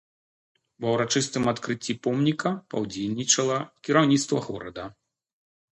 Ва ўрачыстым адкрыцці помніка паўдзельнічала кіраўніцтва горада.